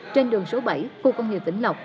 trên đường số bảy khu công nghiệp tỉnh lộc